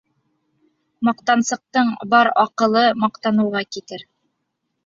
Маҡтансыҡтың бар аҡылы маҡтаныуға китер.